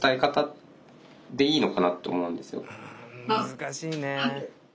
難しいね。